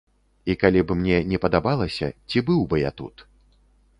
І калі б мне не падабалася, ці быў бы я тут?